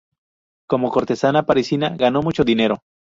Como cortesana parisina, ganó mucho dinero.